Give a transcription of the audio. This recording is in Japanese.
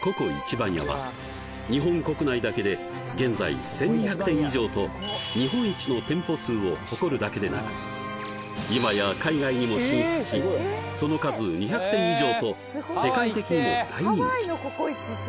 番屋は日本国内だけで現在１２００店以上と日本一の店舗数を誇るだけでなく今や海外にも進出しその数２００店以上と世界的にも大人気